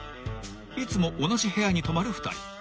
［いつも同じ部屋に泊まる２人］